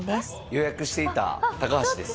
予約していた高橋です。